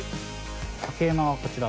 竹馬はこちら？